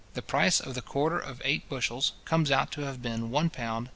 the price of the quarter of eight bushels comes out to have been £ 1:16:10 2/3.